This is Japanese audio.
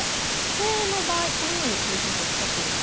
このように堀先生おっしゃっています。